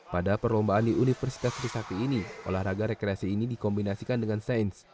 pada perlombaan di universitas trisakti ini olahraga rekreasi ini dikombinasikan dengan sains